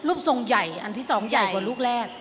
ทรงใหญ่อันที่สองใหญ่กว่าลูกแรก